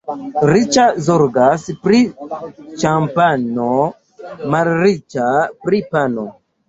Riĉa zorgas pri ĉampano, malriĉa pri pano.